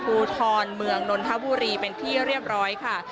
ภูทรเมืองนนทบุรีเป็นที่เรียบร้อยค่ะ